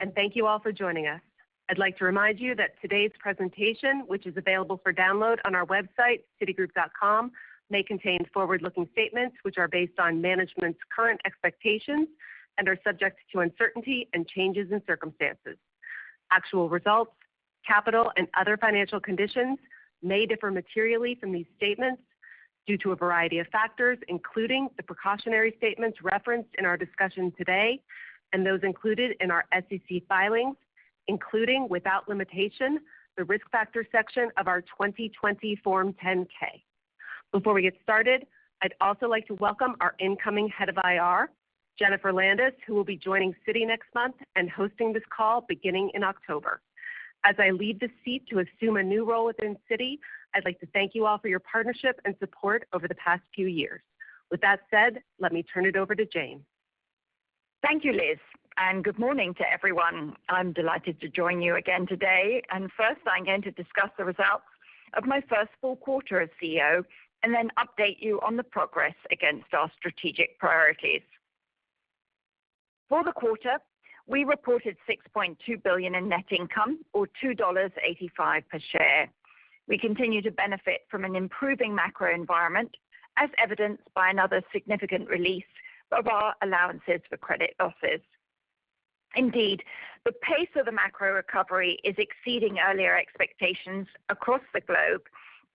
Good morning, and thank you all for joining us. I'd like to remind you that today's presentation, which is available for download on our website, citigroup.com, may contain forward-looking statements which are based on management's current expectations and are subject to uncertainty and changes in circumstances. Actual results, capital, and other financial conditions may differ materially from these statements due to a variety of factors, including the precautionary statements referenced in our discussion today and those included in our SEC filings, including, without limitation, the Risk Factors section of our 2020 Form 10-K. Before we get started, I'd also like to welcome our incoming Head of IR, Jennifer Landis, who will be joining Citi next month and hosting this call beginning in October. As I leave this seat to assume a new role within Citi, I'd like to thank you all for your partnership and support over the past few years. With that said, let me turn it over to Jane. Thank you, Liz, and good morning to everyone. I'm delighted to join you again today. First, I'm going to discuss the results of my first full quarter as CEO and then update you on the progress against our strategic priorities. For the quarter, we reported $6.2 billion in net income, or $2.85 per share. We continue to benefit from an improving macro environment, as evidenced by another significant release of our allowances for credit losses. Indeed, the pace of the macro recovery is exceeding earlier expectations across the globe,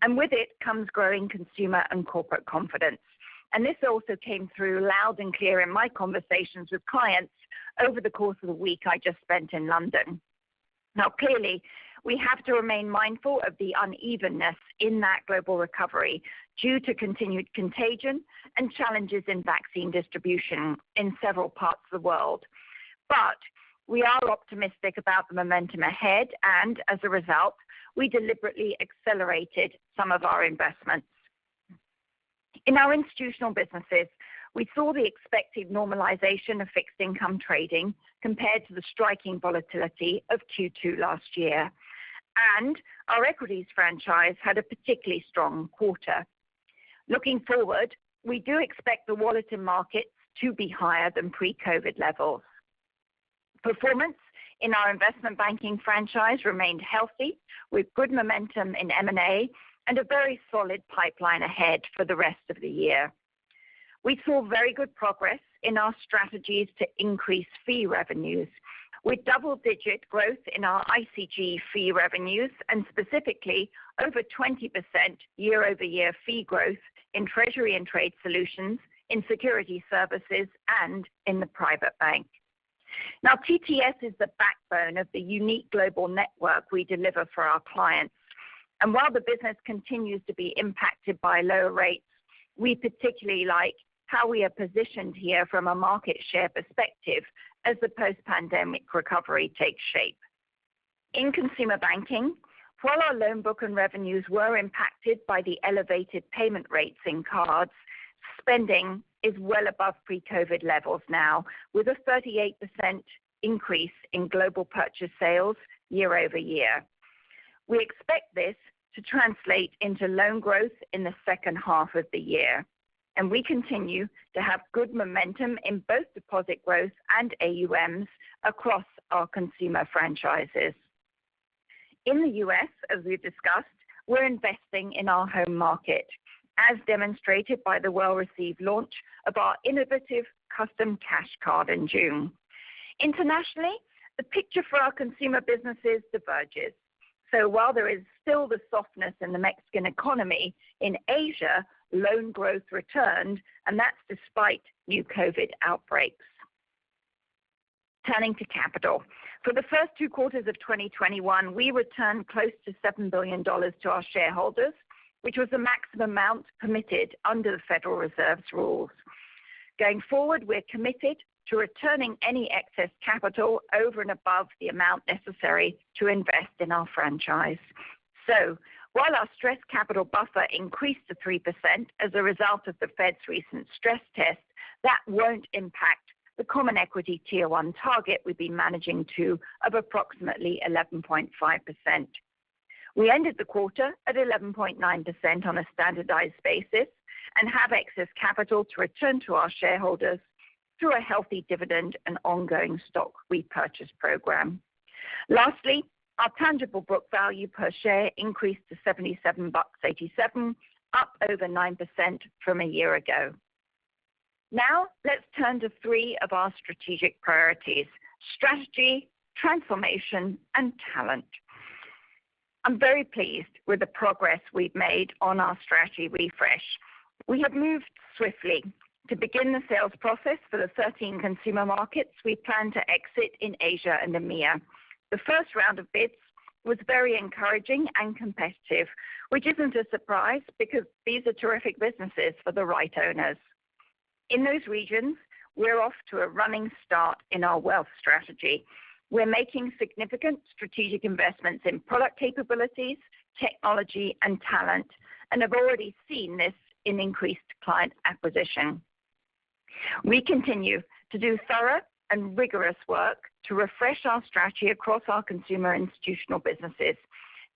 and with it comes growing consumer and corporate confidence. This also came through loud and clear in my conversations with clients over the course of the week I just spent in London. Clearly, we have to remain mindful of the unevenness in that global recovery due to continued contagion and challenges in vaccine distribution in several parts of the world. We are optimistic about the momentum ahead, and as a result, we deliberately accelerated some of our investments. In our institutional businesses, we saw the expected normalization of fixed income trading compared to the striking volatility of Q2 last year, and our equities franchise had a particularly strong quarter. Looking forward, we do expect the volatility markets to be higher than pre-COVID levels. Performance in our Investment Banking franchise remained healthy with good momentum in M&A and a very solid pipeline ahead for the rest of the year. We saw very good progress in our strategies to increase fee revenues with double-digit growth in our ICG fee revenues and specifically over 20% year-over-year fee growth in Treasury and Trade Solutions, in Securities Services, and in the Private Bank. Now, TTS is the backbone of the unique global network we deliver for our clients. While the business continues to be impacted by lower rates, we particularly like how we are positioned here from a market share perspective as the post-pandemic recovery takes shape. In consumer banking, while our loan book and revenues were impacted by the elevated payment rates in cards, spending is well above pre-COVID levels now, with a 38% increase in global purchase sales year-over-year. We expect this to translate into loan growth in the second half of the year, and we continue to have good momentum in both deposit growth and AUMs across our consumer franchises. In the U.S., as we've discussed, we're investing in our home market, as demonstrated by the well-received launch of our innovative Citi Custom Cash card in June. Internationally, the picture for our consumer businesses diverges. While there is still the softness in the Mexican economy, in Asia, loan growth returned, and that's despite new COVID outbreaks. Turning to capital. For the first two quarters of 2021, we returned close to $7 billion to our shareholders, which was the maximum amount permitted under the Federal Reserve's rules. Going forward, we're committed to returning any excess capital over and above the amount necessary to invest in our franchise. While our stress capital buffer increased to 3% as a result of the Fed's recent stress test, that won't impact the Common Equity Tier 1 target we've been managing to of approximately 11.5%. We ended the quarter at 11.9% on a standardized basis and have excess capital to return to our shareholders through a healthy dividend and ongoing stock repurchase program. Lastly, our tangible book value per share increased to $77.87, up over 9% from a year ago. Now, let's turn to three of our strategic priorities, strategy, transformation, and talent. I'm very pleased with the progress we've made on our strategy refresh. We have moved swiftly to begin the sales process for the 13 consumer markets we plan to exit in Asia and EMEA. The first round of bids was very encouraging and competitive, which isn't a surprise because these are terrific businesses for the right owners. In those regions, we're off to a running start in our wealth strategy. We're making significant strategic investments in product capabilities, technology, and talent, and have already seen this in increased client acquisition. We continue to do thorough and rigorous work to refresh our strategy across our consumer institutional businesses,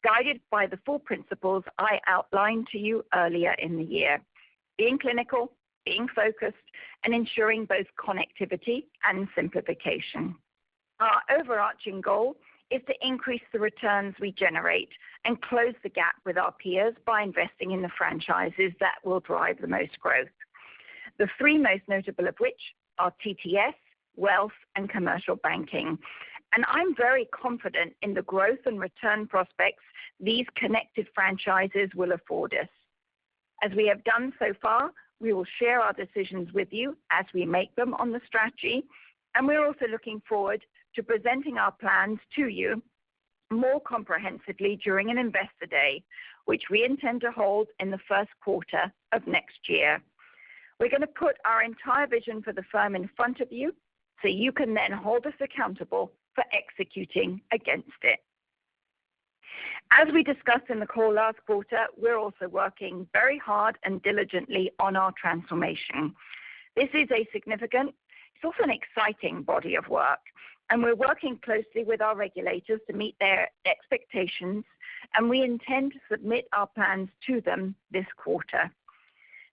guided by the four principles I outlined to you earlier in the year, being clinical, being focused, and ensuring both connectivity and simplification. Our overarching goal is to increase the returns we generate and close the gap with our peers by investing in the franchises that will drive the most growth. The three most notable of which are TTS, Wealth, and Commercial Banking. I'm very confident in the growth and return prospects these connected franchises will afford us. As we have done so far, we will share our decisions with you as we make them on the strategy, and we're also looking forward to presenting our plans to you more comprehensively during an Investor Day, which we intend to hold in the first quarter of next year. We're going to put our entire vision for the firm in front of you so you can then hold us accountable for executing against it. As we discussed in the call last quarter, we're also working very hard and diligently on our transformation. This is a significant, it's also an exciting body of work, and we're working closely with our regulators to meet their expectations, and we intend to submit our plans to them this quarter.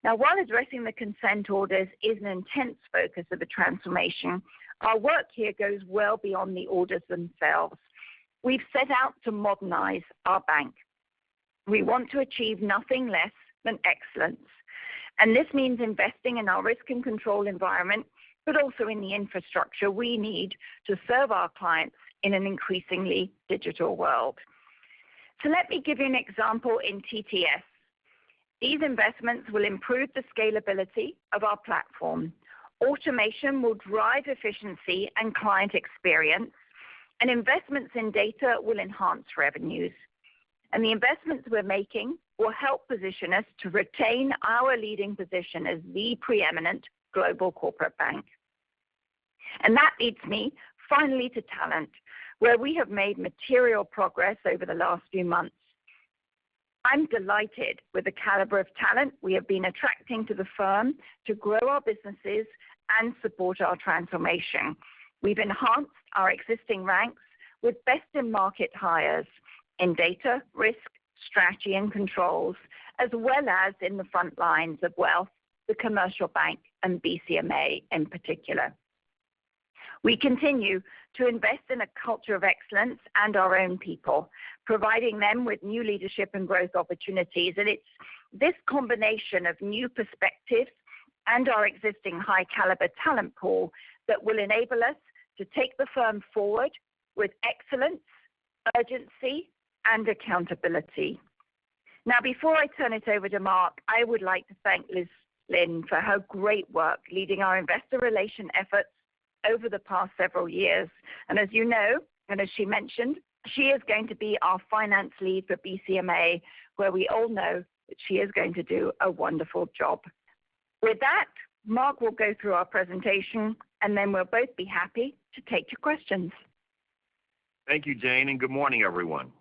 Now, while addressing the consent orders is an intense focus of the transformation, our work here goes well beyond the orders themselves. We've set out to modernize our bank. We want to achieve nothing less than excellence. This means investing in our risk and control environment, but also in the infrastructure we need to serve our clients in an increasingly digital world. Let me give you an example in TTS. These investments will improve the scalability of our platform. Automation will drive efficiency and client experience, investments in data will enhance revenues. The investments we're making will help position us to retain our leading position as the preeminent global corporate bank. That leads me finally to talent, where we have made material progress over the last few months. I'm delighted with the caliber of talent we have been attracting to the firm to grow our businesses and support our transformation. We've enhanced our existing ranks with best-in-market hires in data, risk, strategy, and controls, as well as in the front lines of wealth, the commercial bank, and BCMA in particular. We continue to invest in a culture of excellence and our own people, providing them with new leadership and growth opportunities. It's this combination of new perspectives and our existing high-caliber talent pool that will enable us to take the firm forward with excellence, urgency, and accountability. Now, before I turn it over to Mark, I would like to thank Liz Lynn for her great work leading our investor relations efforts over the past several years. As you know, and as she mentioned, she is going to be our finance lead for BCMA, where we all know that she is going to do a wonderful job. With that, Mark will go through our presentation, and then we'll both be happy to take your questions. Thank you, Jane. Good morning, everyone.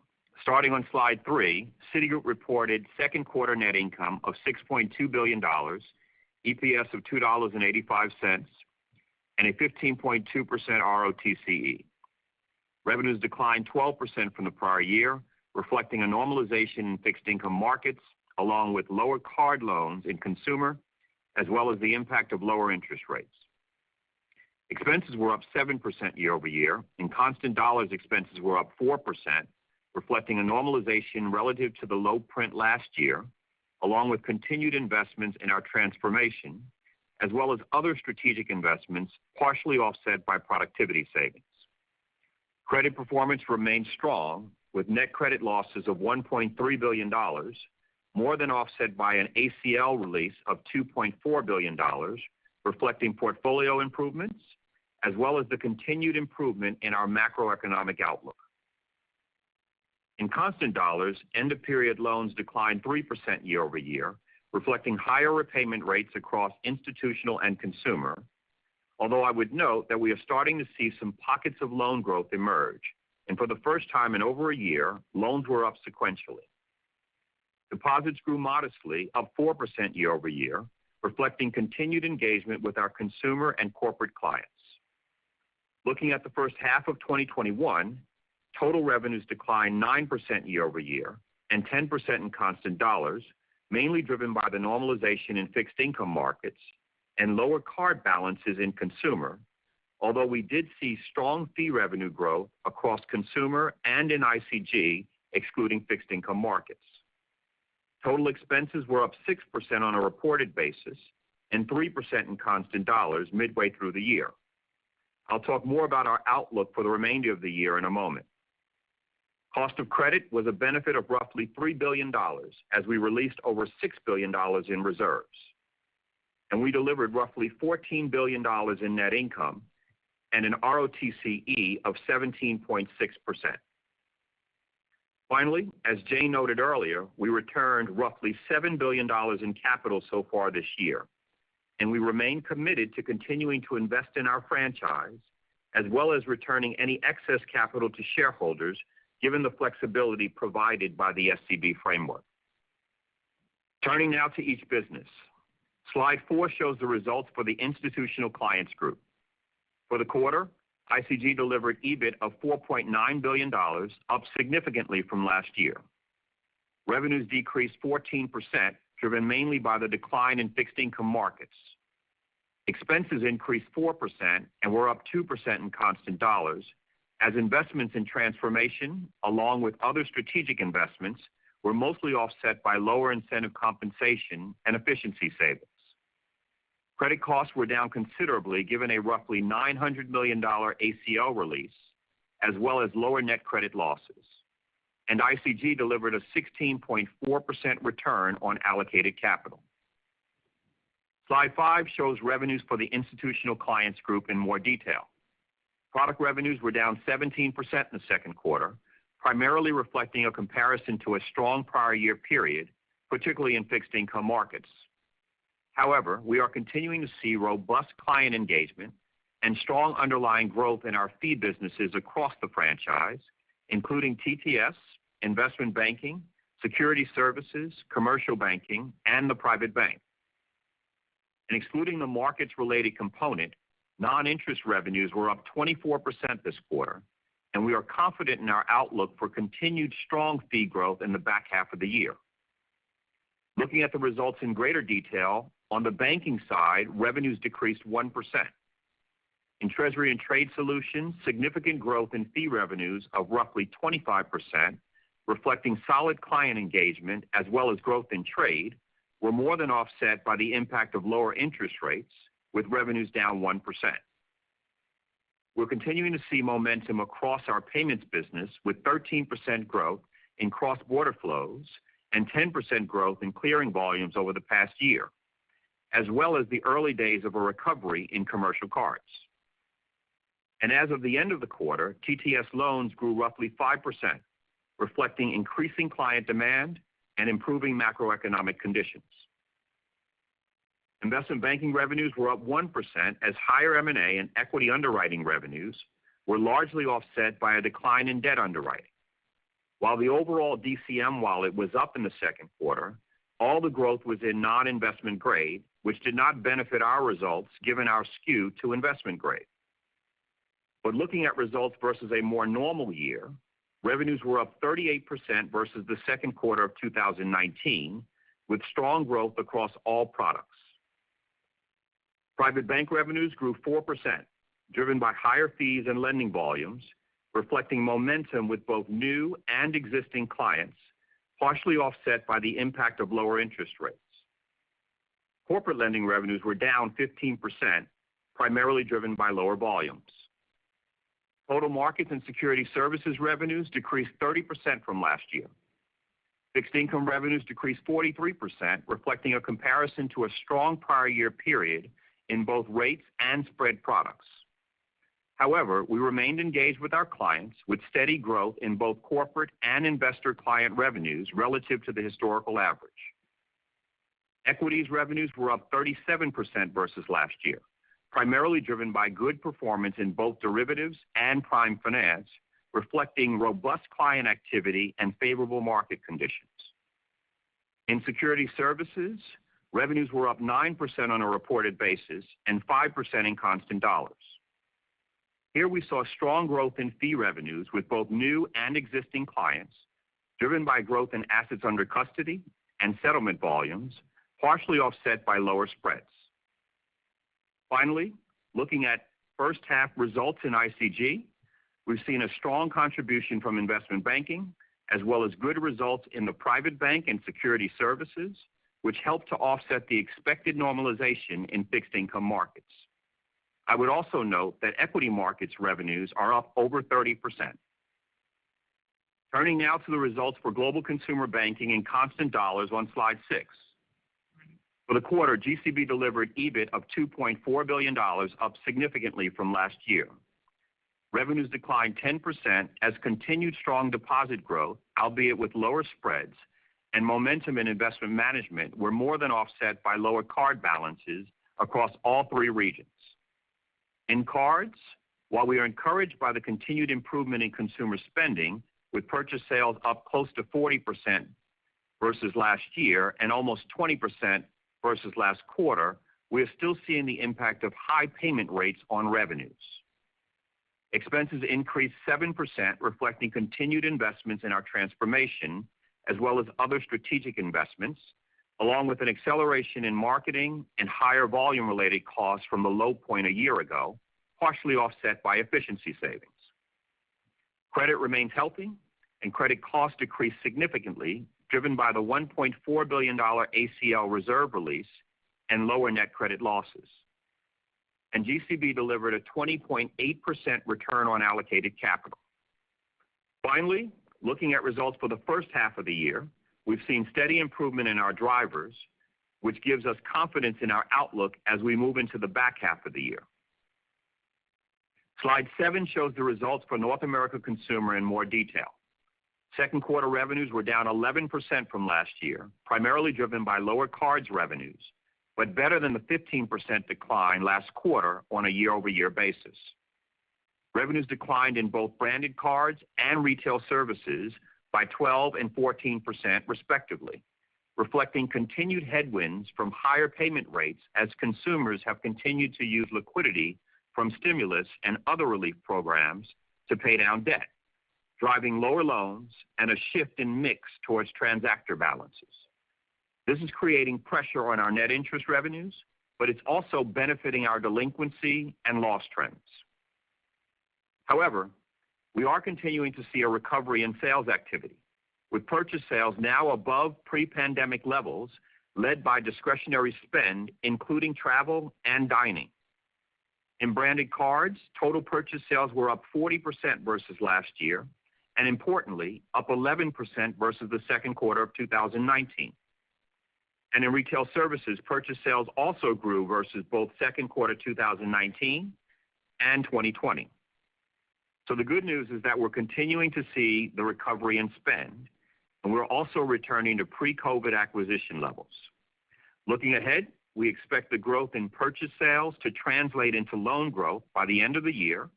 Starting on slide three, Citigroup reported second quarter net income of $6.2 billion, EPS of $2.85, and a 15.2% ROTCE. Revenues declined 12% from the prior year, reflecting a normalization in fixed-income markets, along with lower card loans in consumer, as well as the impact of lower interest rates. Expenses were up 7% year-over-year, and constant dollars expenses were up 4%, reflecting a normalization relative to the low print last year, along with continued investments in our transformation, as well as other strategic investments, partially offset by productivity savings. Credit performance remained strong with net credit losses of $1.3 billion, more than offset by an ACL release of $2.4 billion, reflecting portfolio improvements as well as the continued improvement in our macroeconomic outlook. In constant dollars, end-of-period loans declined 3% year-over-year, reflecting higher repayment rates across institutional and consumer. Although I would note that we are starting to see some pockets of loan growth emerge, and for the first time in over a year, loans were up sequentially. Deposits grew modestly, up 4% year-over-year, reflecting continued engagement with our consumer and corporate clients. Looking at the first half of 2021, total revenues declined 9% year-over-year and 10% in constant dollars, mainly driven by the normalization in fixed income markets and lower card balances in consumer. We did see strong fee revenue growth across consumer and in ICG, excluding fixed income markets. Total expenses were up 6% on a reported basis and 3% in constant dollars midway through the year. I'll talk more about our outlook for the remainder of the year in a moment. Cost of credit was a benefit of roughly $3 billion as we released over $6 billion in reserves. We delivered $14 billion in net income and an ROTCE of 17.6%. Finally, as Jane noted earlier, we returned $7 billion in capital so far this year, and we remain committed to continuing to invest in our franchise, as well as returning any excess capital to shareholders, given the flexibility provided by the SCB framework. Turning now to each business. Slide four shows the results for the Institutional Clients Group. For the quarter, ICG delivered EBIT of $4.9 billion, up significantly from last year. Revenues decreased 14%, driven mainly by the decline in fixed income markets. Expenses increased 4% and were up 2% in constant dollars as investments in transformation, along with other strategic investments, were mostly offset by lower incentive compensation and efficiency savings. Credit costs were down considerably, given a $900 million ACL release, as well as lower net credit losses. ICG delivered a 16.4% return on allocated capital. Slide five shows revenues for the Institutional Clients Group in more detail. Product revenues were down 17% in the second quarter, primarily reflecting a comparison to a strong prior year period, particularly in fixed income markets. However, we are continuing to see robust client engagement and strong underlying growth in our fee businesses across the franchise, including TTS, Investment Banking, Securities Services, Commercial Banking, and the Private Bank. Excluding the markets-related component, non-interest revenues were up 24% this quarter, and we are confident in our outlook for continued strong fee growth in the back half of the year. Looking at the results in greater detail, on the banking side, revenues decreased 1%. In Treasury and Trade Solutions, significant growth in fee revenues of roughly 25%, reflecting solid client engagement as well as growth in trade, were more than offset by the impact of lower interest rates, with revenues down 1%. We're continuing to see momentum across our payments business, with 13% growth in cross-border flows and 10% growth in clearing volumes over the past year, as well as the early days of a recovery in commercial cards. As of the end of the quarter, TTS loans grew roughly 5%, reflecting increasing client demand and improving macroeconomic conditions. Investment Banking revenues were up 1% as higher M&A and equity underwriting revenues were largely offset by a decline in debt underwriting. While the overall DCM wallet was up in the second quarter, all the growth was in non-investment grade, which did not benefit our results given our skew to investment grade. Looking at results versus a more normal year, revenues were up 38% versus the second quarter of 2019, with strong growth across all products. Private Bank revenues grew 4%, driven by higher fees and lending volumes, reflecting momentum with both new and existing clients, partially offset by the impact of lower interest rates. Corporate lending revenues were down 15%, primarily driven by lower volumes. Total markets and Securities Services revenues decreased 30% from last year. Fixed income revenues decreased 43%, reflecting a comparison to a strong prior year period in both rates and spread products. However, we remained engaged with our clients with steady growth in both corporate and investor client revenues relative to the historical average. Equities revenues were up 37% versus last year, primarily driven by good performance in both derivatives and prime finance, reflecting robust client activity and favorable market conditions. In Securities Services, revenues were up 9% on a reported basis and 5% in constant dollars. Here, we saw strong growth in fee revenues with both new and existing clients, driven by growth in assets under custody and settlement volumes, partially offset by lower spreads. Looking at first half results in ICG, we've seen a strong contribution from Investment Banking, as well as good results in the Private Bank and Securities Services, which helped to offset the expected normalization in fixed income markets. I would also note that equity markets revenues are up over 30%. Turning now to the results for Global Consumer Banking in constant dollars on slide six. For the quarter, GCB delivered EBIT of $2.4 billion, up significantly from last year. Revenues declined 10% as continued strong deposit growth, albeit with lower spreads, and momentum in investment management were more than offset by lower card balances across all three regions. In cards, while we are encouraged by the continued improvement in consumer spending with purchase sales up close to 40% versus last year and almost 20% versus last quarter, we are still seeing the impact of high payment rates on revenues. Expenses increased 7%, reflecting continued investments in our transformation, as well as other strategic investments, along with an acceleration in marketing and higher volume-related costs from the low point a year ago, partially offset by efficiency savings. Credit remains healthy and credit costs decreased significantly, driven by the $1.4 billion ACL reserve release and lower net credit losses. GCB delivered a 20.8% return on allocated capital. Finally, looking at results for the first half of the year, we've seen steady improvement in our drivers, which gives us confidence in our outlook as we move into the back half of the year. Slide seven shows the results for North America Consumer in more detail. Second quarter revenues were down 11% from last year, primarily driven by lower cards revenues, but better than the 15% decline last quarter on a year-over-year basis. Revenues declined in both Branded Cards and Retail Services by 12% and 14% respectively. Reflecting continued headwinds from higher payment rates as consumers have continued to use liquidity from stimulus and other relief programs to pay down debt, driving lower loans and a shift in mix towards transactor balances. This is creating pressure on our net interest revenues, but it's also benefiting our delinquency and loss trends. However, we are continuing to see a recovery in sales activity, with purchase sales now above pre-pandemic levels, led by discretionary spend, including travel and dining. In Branded Cards, total purchase sales were up 40% versus last year, importantly, up 11% versus the second quarter of 2019. In Retail Services, purchase sales also grew versus both second quarter 2019 and 2020. The good news is that we're continuing to see the recovery in spend, and we're also returning to pre-COVID acquisition levels. Looking ahead, we expect the growth in purchase sales to translate into loan growth by the end of the year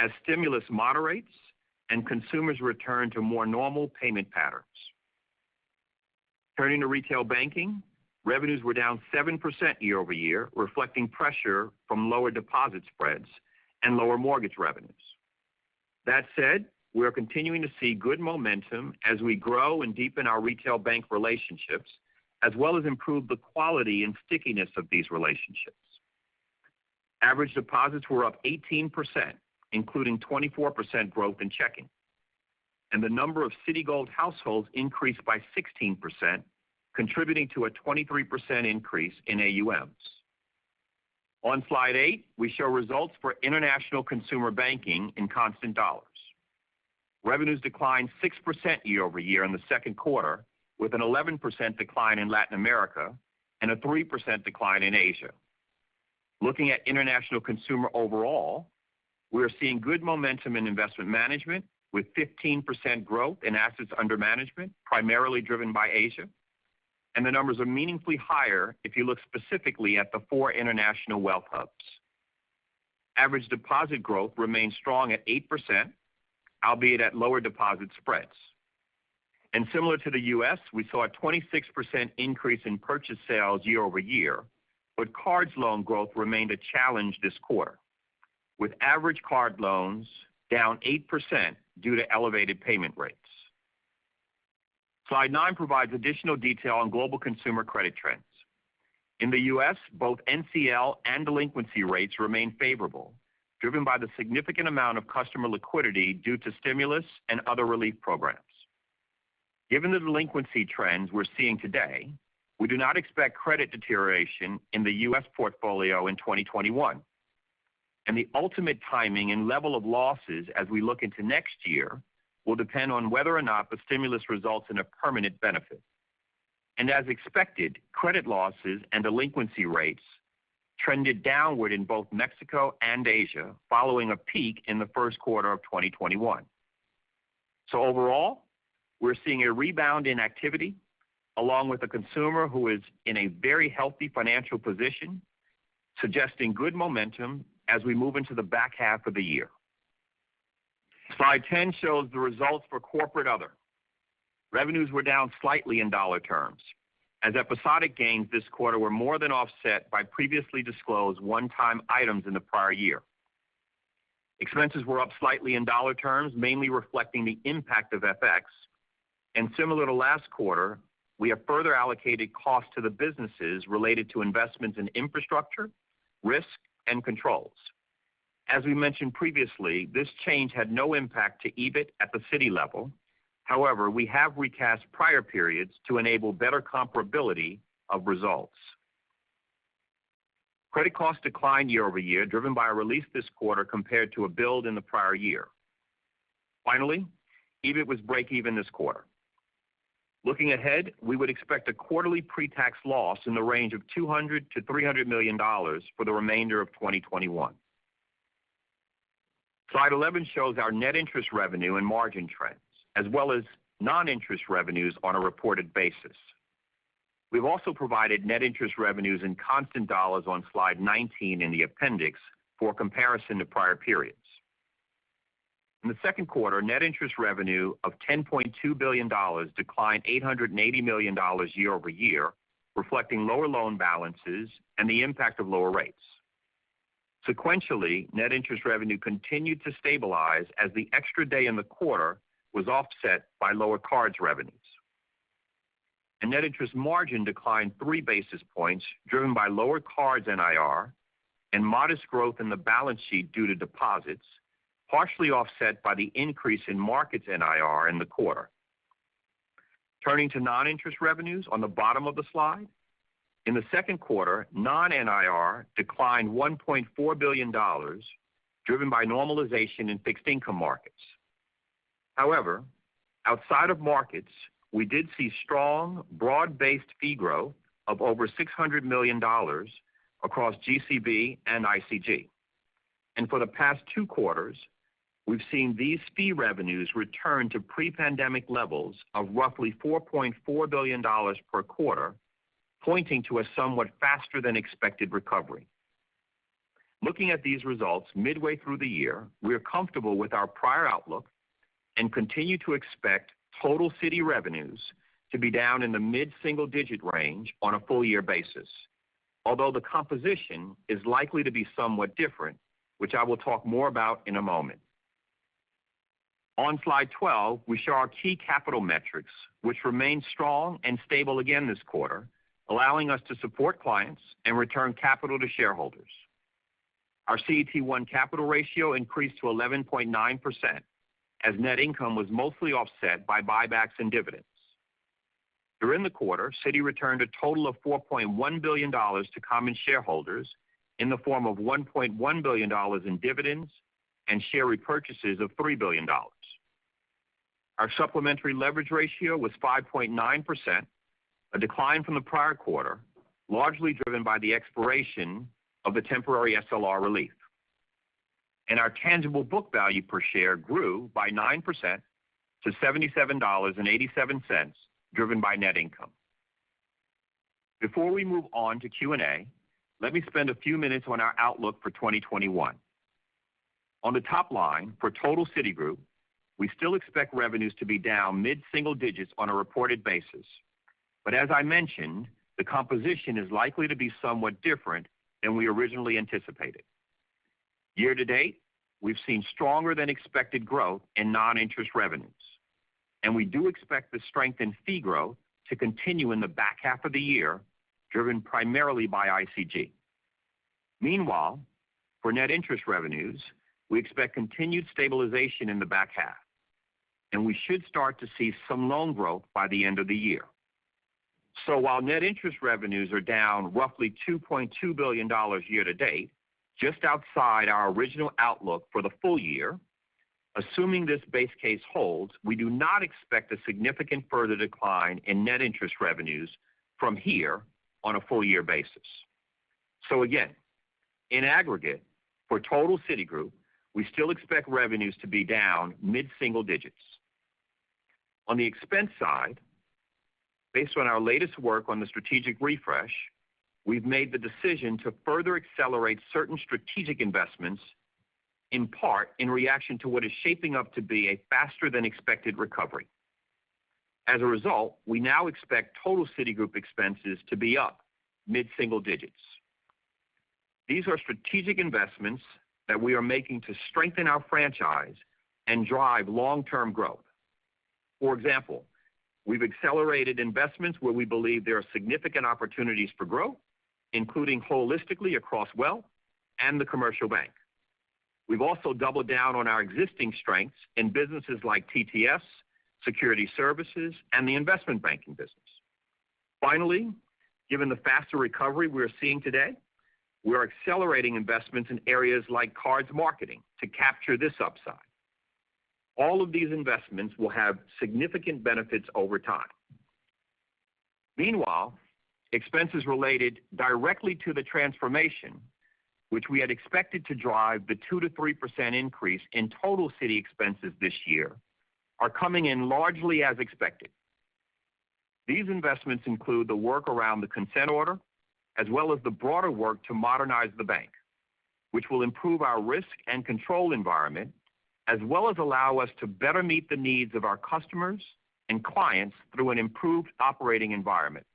as stimulus moderates and consumers return to more normal payment patterns. Turning to retail banking, revenues were down 7% year-over-year, reflecting pressure from lower deposit spreads and lower mortgage revenues. That said, we are continuing to see good momentum as we grow and deepen our retail bank relationships, as well as improve the quality and stickiness of these relationships. Average deposits were up 18%, including 24% growth in checking, and the number of Citigold households increased by 16%, contributing to a 23% increase in AUMs. On slide eight, we show results for international consumer banking in constant dollars. Revenues declined 6% year-over-year in the second quarter, with an 11% decline in Latin America and a 3% decline in Asia. Looking at international consumer overall, we are seeing good momentum in investment management, with 15% growth in assets under management, primarily driven by Asia. The numbers are meaningfully higher if you look specifically at the four international Wealth hubs. Average deposit growth remains strong at 8%, albeit at lower deposit spreads. Similar to the U.S., we saw a 26% increase in purchase sales year-over-year, but cards loan growth remained a challenge this quarter, with average card loans down 8% due to elevated payment rates. Slide nine provides additional detail on global consumer credit trends. In the U.S., both NCL and delinquency rates remain favorable, driven by the significant amount of customer liquidity due to stimulus and other relief programs. Given the delinquency trends we're seeing today, we do not expect credit deterioration in the U.S. portfolio in 2021. The ultimate timing and level of losses as we look into next year will depend on whether or not the stimulus results in a permanent benefit. As expected, credit losses and delinquency rates trended downward in both Mexico and Asia, following a peak in the first quarter of 2021. Overall, we're seeing a rebound in activity, along with a consumer who is in a very healthy financial position, suggesting good momentum as we move into the back half of the year. Slide 10 shows the results for corporate other. Revenues were down slightly in dollar terms, as episodic gains this quarter were more than offset by previously disclosed one-time items in the prior year. Expenses were up slightly in dollar terms, mainly reflecting the impact of FX. Similar to last quarter, we have further allocated costs to the businesses related to investments in infrastructure, risk, and controls. As we mentioned previously, this change had no impact to EBIT at the Citi level. However, we have recast prior periods to enable better comparability of results. Credit costs declined year-over-year, driven by a release this quarter compared to a build in the prior year. Finally, EBIT was breakeven this quarter. Looking ahead, we would expect a quarterly pre-tax loss in the range of $200 million-$300 million for the remainder of 2021. Slide 11 shows our net interest revenue and margin trends, as well as non-interest revenues on a reported basis. We've also provided net interest revenues in constant dollars on slide 19 in the appendix for comparison to prior periods. In the second quarter, net interest revenue of $10.2 billion declined $880 million year-over-year, reflecting lower loan balances and the impact of lower rates. Sequentially, net interest revenue continued to stabilize as the extra day in the quarter was offset by lower cards revenues. Net interest margin declined three basis points, driven by lower cards NIR and modest growth in the balance sheet due to deposits, partially offset by the increase in markets NIR in the quarter. Turning to non-interest revenues on the bottom of the slide. In the second quarter, non-NIR declined $1.4 billion, driven by normalization in fixed income markets. Outside of markets, we did see strong, broad-based fee growth of over $600 million across GCB and ICG. For the past two quarters, we've seen these fee revenues return to pre-pandemic levels of roughly $4.4 billion per quarter, pointing to a somewhat faster than expected recovery. Looking at these results midway through the year, we are comfortable with our prior outlook and continue to expect total Citi revenues to be down in the mid-single-digit range on a full-year basis. Although the composition is likely to be somewhat different, which I will talk more about in a moment. On slide 12, we show our key capital metrics, which remain strong and stable again this quarter, allowing us to support clients and return capital to shareholders. Our CET1 capital ratio increased to 11.9%, as net income was mostly offset by buybacks and dividends. During the quarter, Citi returned a total of $4.1 billion to common shareholders in the form of $1.1 billion in dividends and share repurchases of $3 billion. Our supplementary leverage ratio was 5.9%, a decline from the prior quarter, largely driven by the expiration of the temporary SLR relief. Our tangible book value per share grew by 9% to $77.87, driven by net income. Before we move on to Q&A, let me spend a few minutes on our outlook for 2021. On the top line for total Citigroup, we still expect revenues to be down mid-single digits on a reported basis. As I mentioned, the composition is likely to be somewhat different than we originally anticipated. Year-to-date, we've seen stronger than expected growth in non-interest revenues, and we do expect the strength in fee growth to continue in the back half of the year, driven primarily by ICG. Meanwhile, for net interest revenues, we expect continued stabilization in the back half, and we should start to see some loan growth by the end of the year. While net interest revenues are down roughly $2.2 billion year-to-date, just outside our original outlook for the full-year, assuming this base case holds, we do not expect a significant further decline in net interest revenues from here on a full-year basis. Again, in aggregate, for total Citigroup, we still expect revenues to be down mid-single digits. On the expense side, based on our latest work on the strategic refresh, we've made the decision to further accelerate certain strategic investments, in part in reaction to what is shaping up to be a faster than expected recovery. We now expect total Citigroup expenses to be up mid-single digits. These are strategic investments that we are making to strengthen our franchise and drive long-term growth. We've accelerated investments where we believe there are significant opportunities for growth, including holistically across wealth and the commercial bank. We've also doubled down on our existing strengths in businesses like TTS, Securities Services, and the Investment Banking business. Given the faster recovery we are seeing today, we are accelerating investments in areas like cards marketing to capture this upside. All of these investments will have significant benefits over time. Meanwhile, expenses related directly to the transformation, which we had expected to drive the 2%-3% increase in total Citi expenses this year, are coming in largely as expected. These investments include the work around the consent order, as well as the broader work to modernize the bank, which will improve our risk and control environment, as well as allow us to better meet the needs of our customers and clients through an improved operating environment,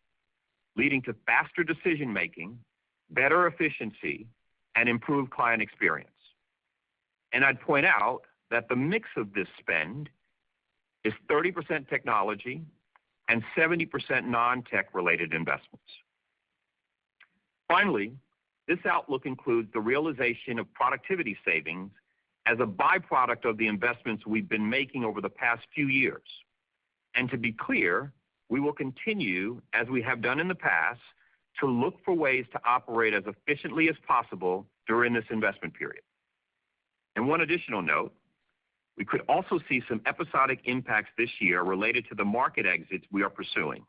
leading to faster decision-making, better efficiency, and improved client experience. I'd point out that the mix of this spend is 30% technology and 70% non-tech related investments. Finally, this outlook includes the realization of productivity savings as a byproduct of the investments we've been making over the past few years. To be clear, we will continue, as we have done in the past, to look for ways to operate as efficiently as possible during this investment period. One additional note, we could also see some episodic impacts this year related to the market exits we are pursuing.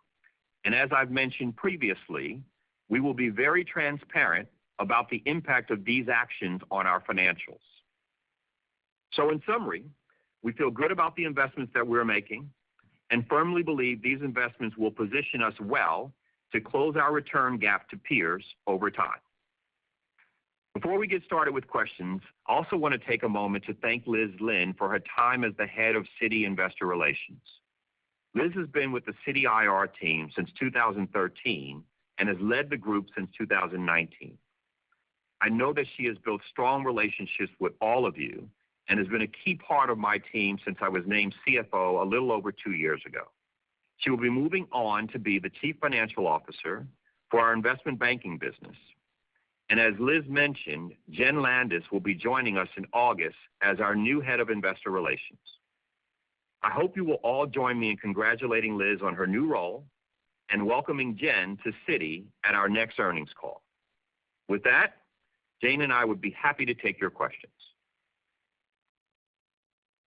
As I've mentioned previously, we will be very transparent about the impact of these actions on our financials. In summary, we feel good about the investments that we're making and firmly believe these investments will position us well to close our return gap to peers over time. Before we get started with questions, also want to take a moment to thank Liz Lynn for her time as the Head of Citi Investor Relations. Liz has been with the Citi IR team since 2013 and has led the group since 2019. I know that she has built strong relationships with all of you and has been a key part of my team since I was named CFO a little over two years ago. She will be moving on to be the Chief Financial Officer for our Investment Banking business. As Liz Lynn mentioned, Jen Landis will be joining us in August as our new Head of Investor Relations. I hope you will all join me in congratulating Liz on her new role and welcoming Jen to Citi at our next earnings call. With that, Jane and I would be happy to take your questions.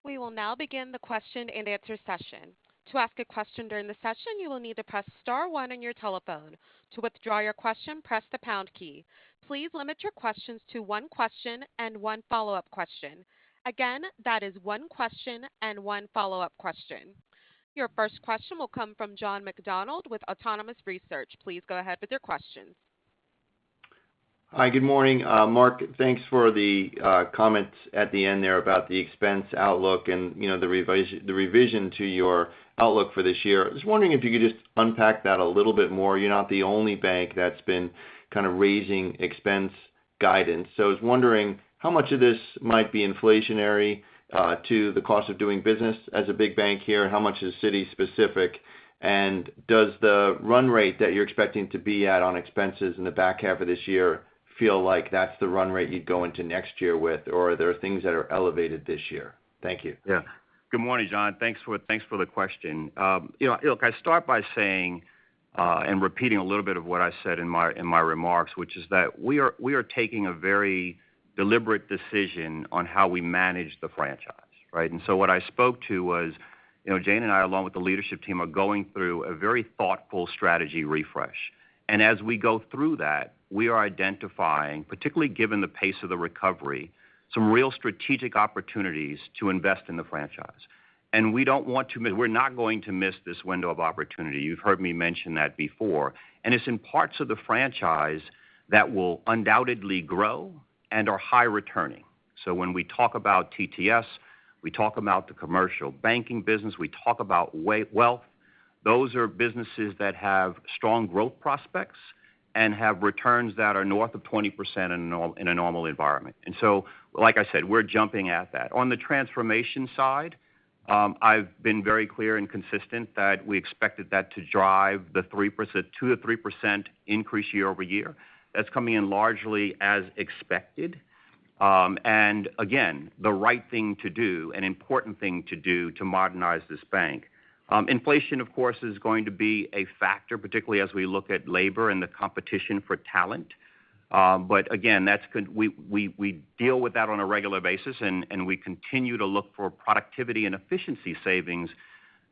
We will now begin the question-and-answer session. To ask a question during the session, you will need to press star one on your telephone. To withdraw your question, press the pound key. Please limit your questions to one question and one follow-up question. Again, that is one question and one follow-up question. Your first question will come from John McDonald with Autonomous Research. Please go ahead with your questions. Hi. Good morning. Mark, thanks for the comments at the end there about the expense outlook and the revision to your outlook for this year. I was wondering if you could just unpack that a little bit more. You're not the only bank that's been kind of raising expense guidance. I was wondering how much of this might be inflationary to the cost of doing business as a big bank here? How much is Citi specific, and does the run rate that you're expecting to be at on expenses in the back half of this year feel like that's the run rate you'd go into next year with, or are there things that are elevated this year? Thank you. Good morning, John. Thanks for the question. Look, I start by saying and repeating a little bit of what I said in my remarks, which is that we are taking a very deliberate decision on how we manage the franchise, right? What I spoke to was, Jane and I, along with the leadership team, are going through a very thoughtful strategy refresh. As we go through that, we are identifying, particularly given the pace of the recovery, some real strategic opportunities to invest in the franchise. We're not going to miss this window of opportunity. You've heard me mention that before, and it's in parts of the franchise that will undoubtedly grow and are high returning. When we talk about TTS, we talk about the Commercial Banking business, we talk about Wealth. Those are businesses that have strong growth prospects and have returns that are north of 20% in a normal environment. Like I said, we're jumping at that. On the transformation side, I've been very clear and consistent that we expected that to drive the 2%-3% increase year-over-year. That's coming in largely as expected. Again, the right thing to do, an important thing to do to modernize this bank. Inflation, of course, is going to be a factor, particularly as we look at labor and the competition for talent. Again, we deal with that on a regular basis, and we continue to look for productivity and efficiency savings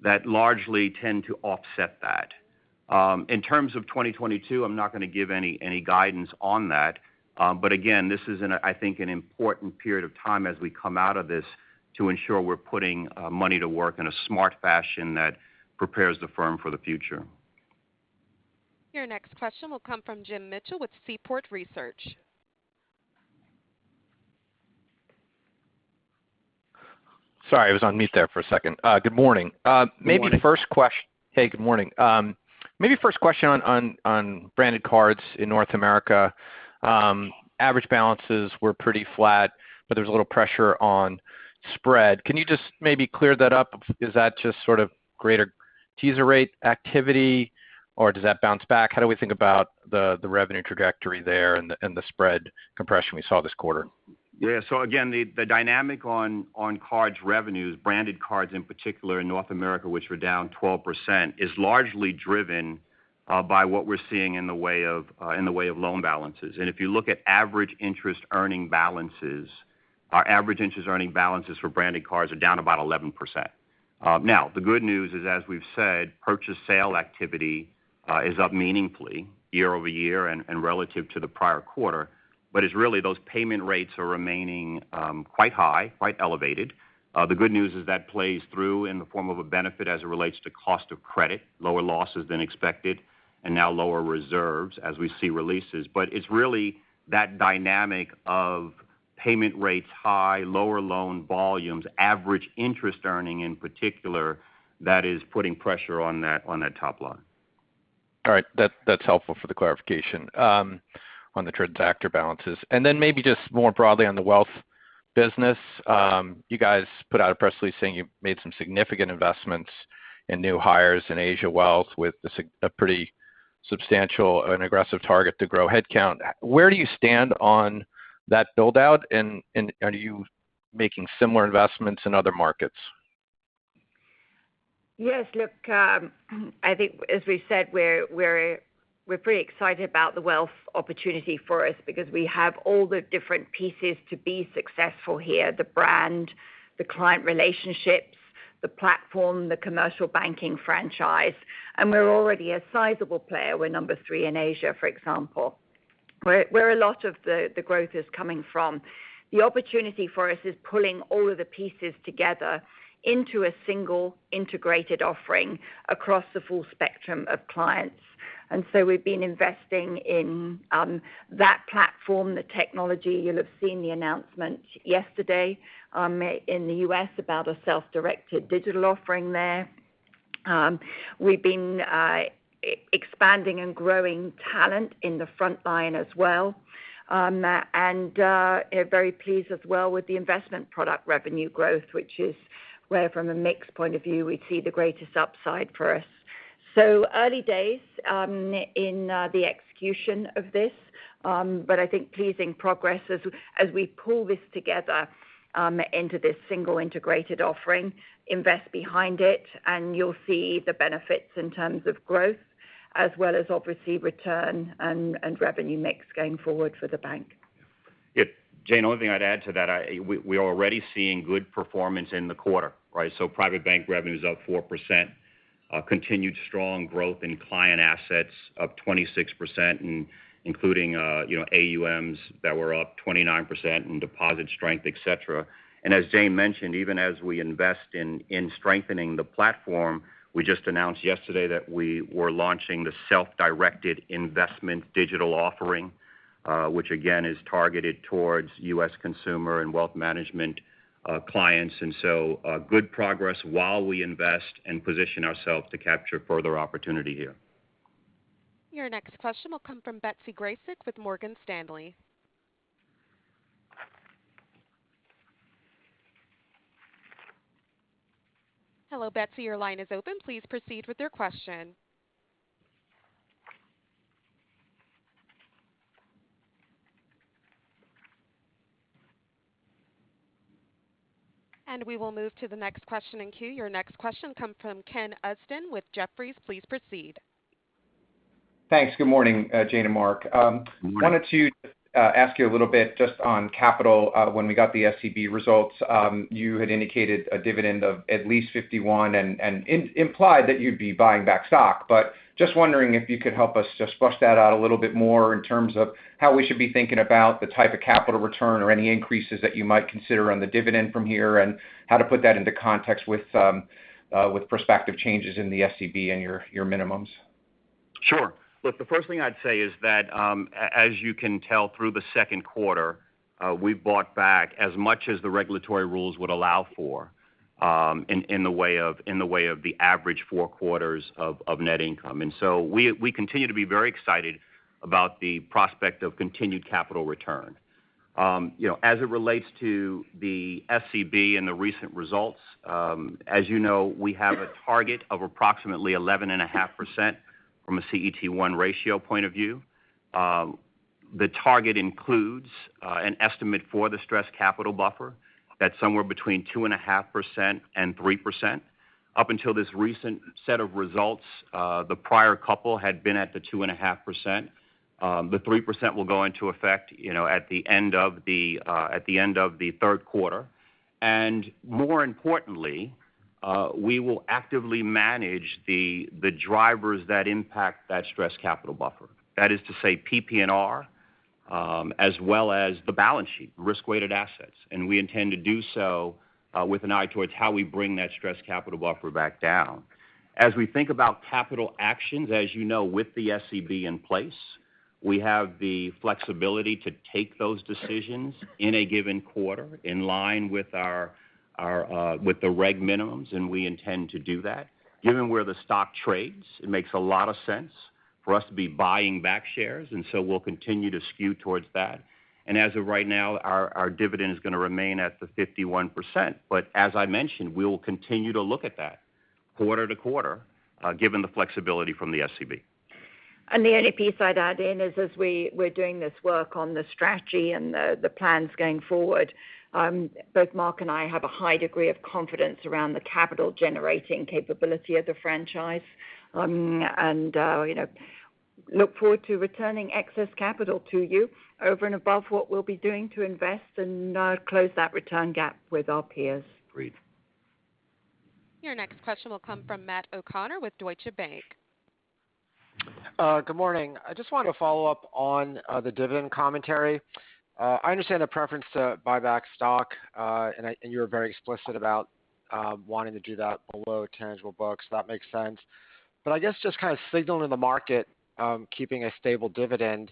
that largely tend to offset that. In terms of 2022, I'm not going to give any guidance on that. Again, this is, I think, an important period of time as we come out of this to ensure we're putting money to work in a smart fashion that prepares the firm for the future. Your next question will come from Jim Mitchell with Seaport Research. Sorry, I was on mute there for a second. Good morning. Good morning. Hey, good morning. First question on Branded Cards in North America. Average balances were pretty flat. There's a little pressure on spread. Can you just maybe clear that up? Is that just sort of greater teaser rate activity? Does that bounce back? How do we think about the revenue trajectory there and the spread compression we saw this quarter? Again, the dynamic on Branded Cards revenues, Branded Cards in particular in North America, which were down 12%, is largely driven by what we're seeing in the way of loan balances. If you look at average interest earning balances, our average interest earning balances for Branded Cards are down about 11%. The good news is, as we've said, purchase sale activity is up meaningfully year-over-year and relative to the prior quarter. It's really those payment rates are remaining quite high, quite elevated. The good news is that plays through in the form of a benefit as it relates to cost of credit, lower loss has been expected, and now lower reserves as we see releases. It's really that dynamic of payment rates high, lower loan volumes, average interest earning in particular, that is putting pressure on that top line. All right. That's helpful for the clarification on the transaction balances. Then maybe just more broadly on the Wealth business. You guys put out a press release saying you made some significant investments in new hires in Asia Wealth with a pretty substantial and aggressive target to grow headcount. Where do you stand on that build-out, and are you making similar investments in other markets? Yes, look, I think as we said, we're pretty excited about the wealth opportunity for us because we have all the different pieces to be successful here, the brand, the client relationships, the platform, the Commercial Banking franchise, and we're already a sizable player. We're number three in Asia, for example, where a lot of the growth is coming from. The opportunity for us is pulling all of the pieces together into a single integrated offering across the full spectrum of clients. We've been investing in that platform, the technology. You'll have seen the announcement yesterday in the U.S. about a self-directed digital offering there. We've been expanding and growing talent in the front line as well, and very pleased as well with the investment product revenue growth, which is where from a mix point of view, we see the greatest upside for us. Early days in the execution of this. I think pleasing progress as we pull this together into this single integrated offering, invest behind it, and you'll see the benefits in terms of growth as well as obviously return and revenue mix going forward for the bank. Yeah. Jane, the only thing I'd add to that, we're already seeing good performance in the quarter, right? Private Bank revenue is up 4%. Continued strong growth in client assets up 26% including AUMs that were up 29% in deposit strength, etc. As Jane mentioned, even as we invest in strengthening the platform, we just announced yesterday that we were launching the self-directed investment digital offering which again, is targeted towards U.S. consumer and wealth management clients. Good progress while we invest and position ourselves to capture further opportunity here. Your next question will come from Betsy Graseck with Morgan Stanley. And we will move to the next question in queue. Your next question comes from Ken Usdin with Jefferies. Please proceed. Thanks. Good morning, Jane and Mark. Good morning. Wanted to ask you a little bit just on capital. When we got the SCB results, you had indicated a dividend of at least $0.51 and implied that you'd be buying back stock. Just wondering if you could help us just flesh that out a little bit more in terms of how we should be thinking about the type of capital return or any increases that you might consider on the dividend from here, and how to put that into context with prospective changes in the SCB and your minimums. Sure. Look, the first thing I'd say is that, as you can tell through the second quarter, we've bought back as much as the regulatory rules would allow for in the way of the average four quarters of net income. We continue to be very excited about the prospect of continued capital return. As it relates to the SCB and the recent results, as you know, we have a target of approximately 11.5% from a CET1 ratio point of view. The target includes an estimate for the stress capital buffer at somewhere between 2.5% and 3%. Up until this recent set of results, the prior couple had been at the 2.5%. The 3% will go into effect at the end of the third quarter. More importantly, we will actively manage the drivers that impact that stress capital buffer. That is to say, PPNR, as well as the balance sheet, risk-weighted assets. We intend to do so with an eye towards how we bring that stress capital buffer back down. As we think about capital actions, as you know, with the SCB in place, we have the flexibility to take those decisions in a given quarter in line with the reg minimums, and we intend to do that. Given where the stock trades, it makes a lot of sense for us to be buying back shares, we'll continue to skew towards that. As of right now, our dividend is going to remain at the 51%. As I mentioned, we will continue to look at that quarter to quarter given the flexibility from the SCB. The only piece I'd add in is as we're doing this work on the strategy and the plans going forward, both Mark and I have a high degree of confidence around the capital-generating capability of the franchise. Look forward to returning excess capital to you over and above what we'll be doing to invest and close that return gap with our peers. Agreed. Your next question will come from Matt O'Connor with Deutsche Bank. Good morning. I just wanted to follow up on the dividend commentary. I understand the preference to buy back stock, and you're very explicit about wanting to do that below tangible books. That makes sense. I guess just kind of signaling the market, keeping a stable dividend.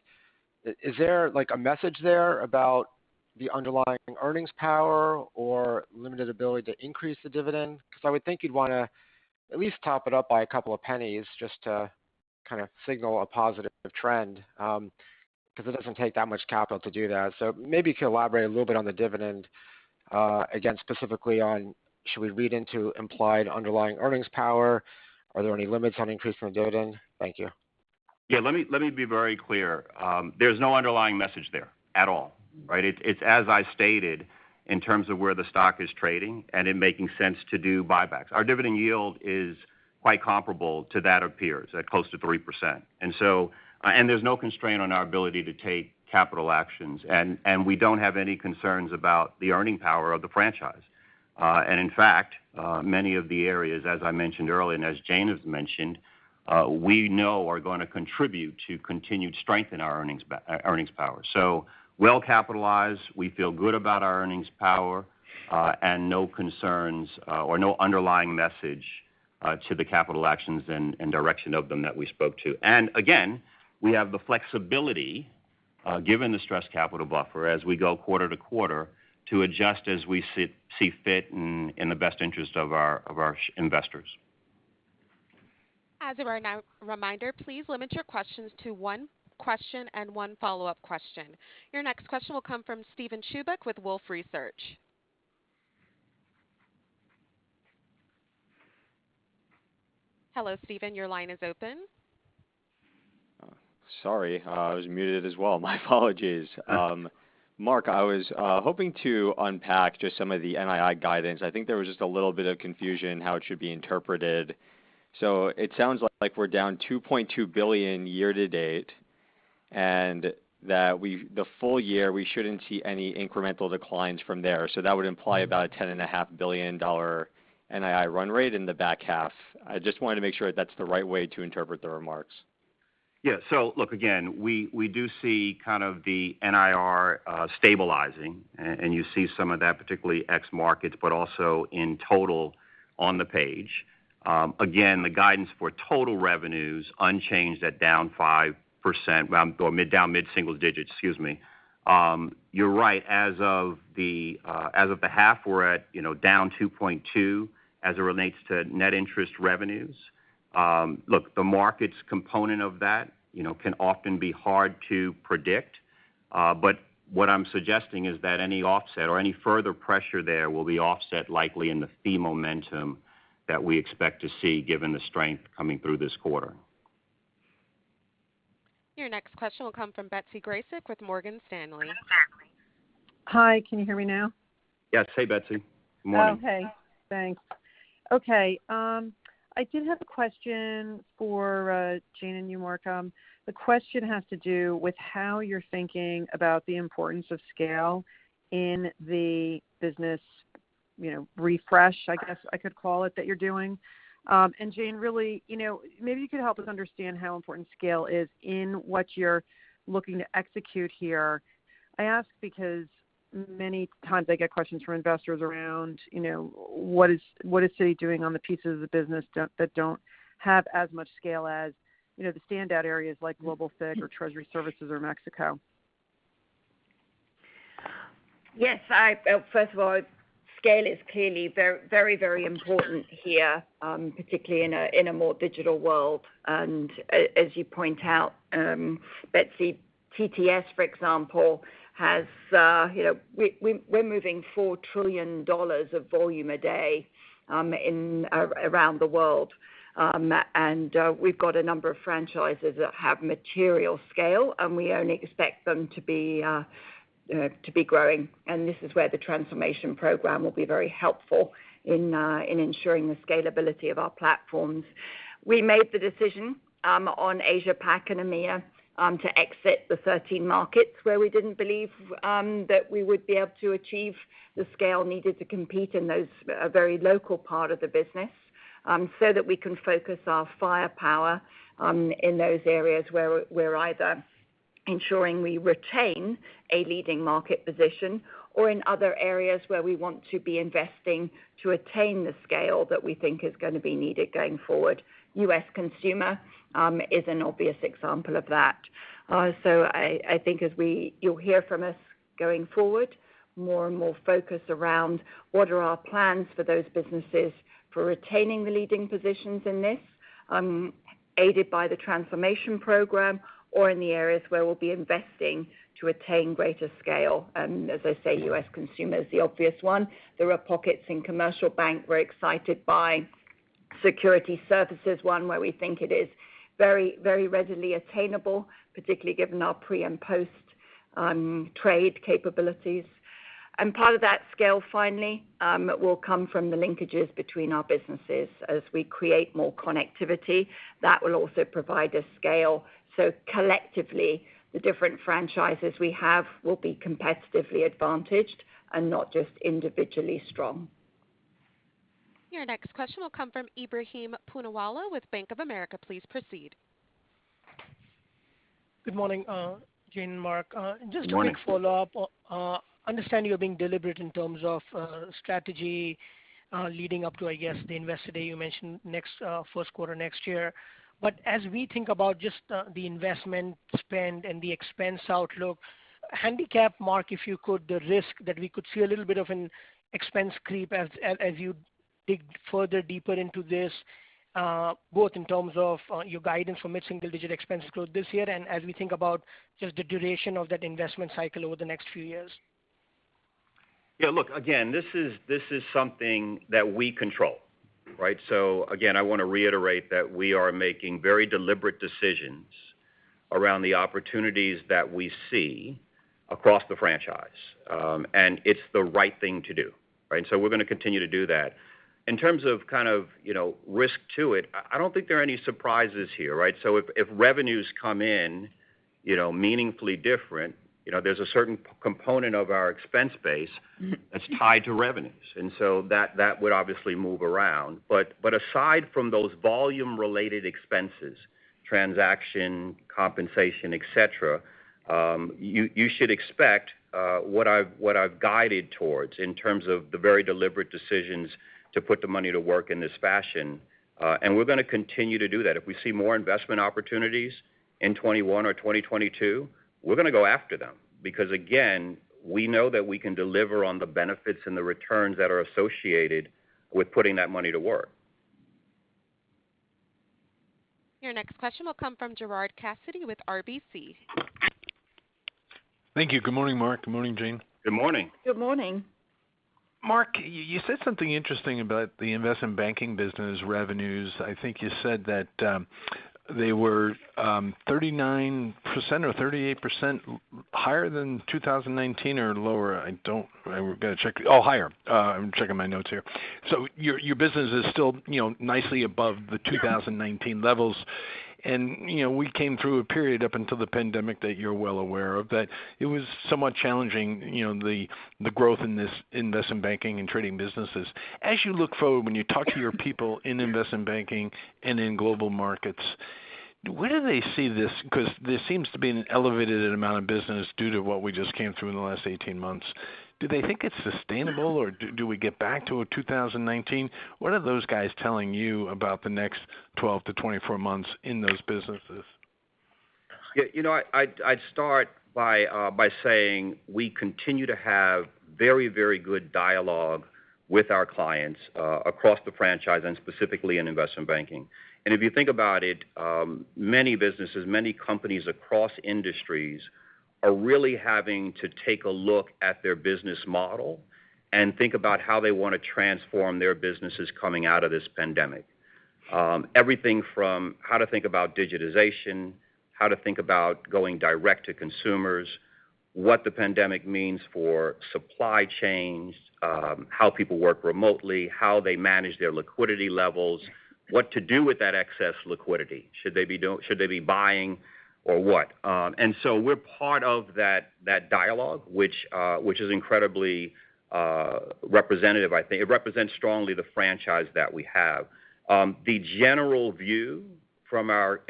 Is there a message there about the underlying earnings power or limited ability to increase the dividend? Because I would think you'd want to at least top it up by a couple of pennies just to kind of signal a positive trend because it doesn't take that much capital to do that. Maybe if you could elaborate a little bit on the dividend, again, specifically on should we read into implied underlying earnings power? Are there any limits on increased dividend? Thank you. Yeah, let me be very clear. There's no underlying message there at all, right? It's as I stated, in terms of where the stock is trading and it making sense to do buybacks. Our dividend yield is quite comparable to that of peers at close to 3%. There's no constraint on our ability to take capital actions, and we don't have any concerns about the earning power of the franchise. In fact, many of the areas, as I mentioned earlier and as Jane has mentioned, we know are going to contribute to continued strength in our earnings power. Well-capitalized, we feel good about our earnings power, and no concerns or no underlying message to the capital actions and direction of them that we spoke to. Again, we have the flexibility, given the stress capital buffer as we go quarter to quarter, to adjust as we see fit in the best interest of our investors. As a reminder, please limit your questions to one question and one follow-up question. Your next question will come from Steven Chubak with Wolfe Research. Hello, Steven, your line is open. Sorry, I was muted as well. My apologies. Mark, I was hoping to unpack just some of the NII guidance. I think there was just a little bit of confusion how it should be interpreted. It sounds like we're down $2.2 billion year-to-date. That the full-year, we shouldn't see any incremental declines from there. That would imply about a $10.5 billion NII run rate in the back half. I just want to make sure that's the right way to interpret the remarks. Yeah. Look, again, we do see kind of the NIR stabilizing, and you see some of that particularly ex markets, but also in total on the page. Again, the guidance for total revenues unchanged at down mid-single digits. You're right, as of the half we're at down 2.2% as it relates to net interest revenues. Look, the markets component of that can often be hard to predict. What I'm suggesting is that any offset or any further pressure there will be offset likely in the fee momentum that we expect to see given the strength coming through this quarter. Your next question will come from Betsy Graseck with Morgan Stanley. Hi, can you hear me now? Yes. Hey, Betsy. Good morning. Oh, hey. Thanks. Okay. I do have a question for Jane and you, Mark. The question has to do with how you're thinking about the importance of scale in the business refresh, I guess I could call it, that you're doing. Jane, really, maybe you can help us understand how important scale is in what you're looking to execute here. I ask because many times I get questions from investors around what is Citi doing on the pieces of the business that don't have as much scale as the standout areas like global FIG or Treasury Services or Mexico. Yes. First of all, scale is clearly very, very important here, particularly in a more digital world. As you point out, Betsy, TTS, for example, we're moving $4 trillion of volume a day around the world. We've got a number of franchises that have material scale, and we only expect them to be growing. This is where the transformation program will be very helpful in ensuring the scalability of our platforms. We made the decision on Asia-Pacific and EMEA to exit the 30 markets where we didn't believe that we would be able to achieve the scale needed to compete in those very local part of the business, so that we can focus our firepower in those areas where we're either ensuring we retain a leading market position or in other areas where we want to be investing to attain the scale that we think is going to be needed going forward. U.S. consumer is an obvious example of that. I think you'll hear from us going forward, more and more focus around what are our plans for those businesses for retaining the leading positions in this, aided by the transformation program or in the areas where we'll be investing to attain greater scale. As I say, U.S. consumer is the obvious one. There are pockets in commercial bank we're excited by. Securities Services, one where we think it is very readily attainable, particularly given our pre and post trade capabilities. Part of that scale, finally, will come from the linkages between our businesses. As we create more connectivity, that will also provide a scale. Collectively, the different franchises we have will be competitively advantaged and not just individually strong. Your next question will come from Ebrahim Poonawala with Bank of America. Please proceed. Good morning. Good morning. Jane and Mark. Just a quick follow-up. Understand you're being deliberate in terms of strategy leading up to, I guess, the Investor Day you mentioned first quarter next year. As we think about just the investment spend and the expense outlook, handicap, Mark, if you could, the risk that we could see a little bit of an expense creep as you dig further deeper into this, both in terms of your guidance for mid-single-digit expense growth this year, and as we think about just the duration of that investment cycle over the next few years. Yeah, look, again this is something that we control, right? Again, I want to reiterate that we are making very deliberate decisions around the opportunities that we see across the franchise. It's the right thing to do, right? We're going to continue to do that. In terms of kind of risk to it, I don't think there are any surprises here, right? If revenues come in meaningfully different, there's a certain component of our expense base that's tied to revenues. That would obviously move around. Aside from those volume related expenses, transaction, compensation, etc, you should expect what I've guided towards in terms of the very deliberate decisions to put the money to work in this fashion. We're going to continue to do that. If we see more investment opportunities in 2021 or 2022, we're going to go after them. Again, we know that we can deliver on the benefits and the returns that are associated with putting that money to work. Your next question will come from Gerard Cassidy with RBC. Thank you. Good morning, Mark. Good morning, Jane. Good morning. Good morning. Mark, you said something interesting about the Investment Banking business revenues. I think you said that they were 39% or 38% higher than 2019 or lower. I'm going to check. Oh, higher. I'm checking my notes here. Your business is still nicely above the 2019 levels. We came through a period up until the pandemic that you're well aware of, that it was somewhat challenging, the growth in this Investment Banking and trading businesses. As you look forward, when you talk to your people in Investment Banking and in global markets, where do they see this? This seems to be an elevated amount of business due to what we just came through in the last 18 months. Do they think it's sustainable, or do we get back to a 2019? What are those guys telling you about the next 12-24 months in those businesses? I'd start by saying we continue to have very good dialogue with our clients across the franchise, and specifically in Investment Banking. If you think about it, many businesses, many companies across industries are really having to take a look at their business model and think about how they want to transform their businesses coming out of this pandemic. Everything from how to think about digitization, how to think about going direct to consumers, what the pandemic means for supply chains, how people work remotely, how they manage their liquidity levels, what to do with that excess liquidity. Should they be buying or what? So we're part of that dialogue, which is incredibly representative, I think. It represents strongly the franchise that we have. The general view from our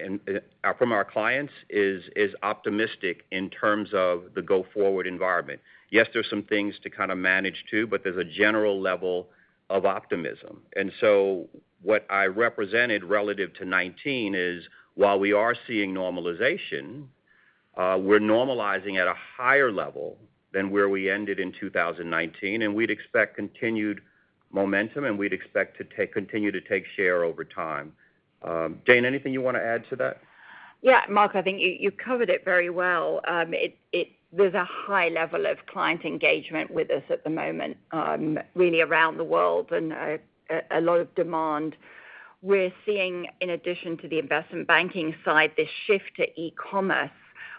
clients is optimistic in terms of the go-forward environment. Yes, there's some things to kind of manage, too, but there's a general level of optimism. What I represented relative to 2019 is while we are seeing normalization we're normalizing at a higher level than where we ended in 2019, and we'd expect continued momentum, and we'd expect to continue to take share over time. Jane, anything you want to add to that? Yeah. Mark, I think you covered it very well. There's a high level of client engagement with us at the moment really around the world, and a lot of demand. We're seeing, in addition to the Investment Banking side, this shift to e-commerce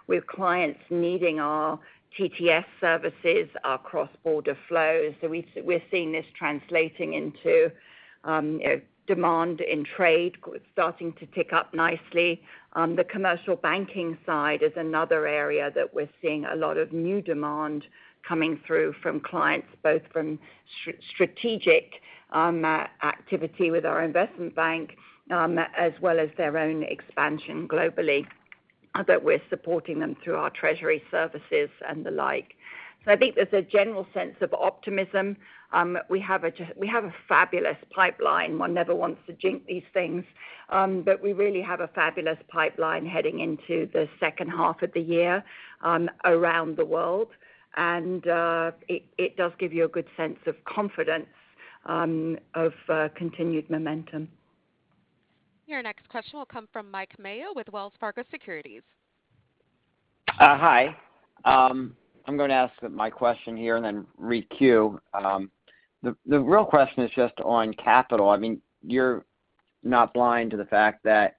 with clients needing our TTS services, our cross-border flows. We're seeing this translating into demand in trade starting to tick up nicely. The Commercial Banking side is another area that we're seeing a lot of new demand coming through from clients, both from strategic activity with our investment bank as well as their own expansion globally, that we're supporting them through our treasury services and the like. I think there's a general sense of optimism. We have a fabulous pipeline. One never wants to jinx these things, but we really have a fabulous pipeline heading into the second half of the year around the world, and it does give you a good sense of confidence of continued momentum. Your next question will come from Mike Mayo with Wells Fargo Securities. Hi, I'm going to ask my question here and then re-queue. The real question is just on capital. You're not blind to the fact that